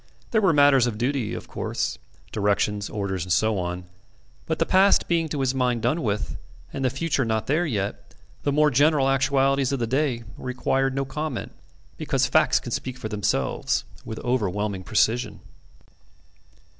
There were matters of duty, of course directions, orders, and so on; but the past being to his mind done with, and the future not there yet, the more general actualities of the day required no comment because facts can speak for themselves with overwhelming precision.